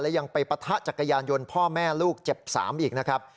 ยังไปปะทะจักรยานยนต์พ่อแม่ลูกเจ็บ๓อีกนะครับ